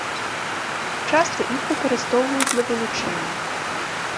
Часта іх выкарыстоўваюць для вылучэння.